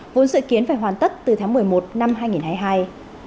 vốn dự kiến phải hoàn tất từ tháng một mươi một năm hai nghìn hai mươi hai